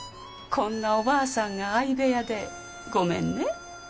こんなおばあさんが相部屋でごめんね。